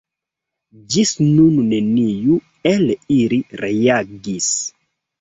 Ĝis nun neniu el ili reagis.